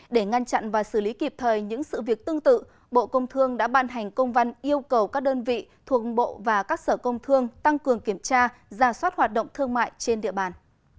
để ngăn chặn và xử lý kịp thời những sự việc tương tự bộ công thương đã ban hành công văn yêu cầu các đơn vị thuộc bộ và các sở công thương tăng cường kiểm tra giả soát hoạt động thương mại trên địa bàn